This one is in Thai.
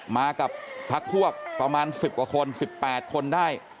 มากับพักพวกประมาณ๑๐กว่าคน๑๘คนได้